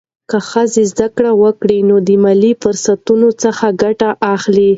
که ښځه زده کړه وکړي، نو د مالي فرصتونو څخه ګټه اخلي.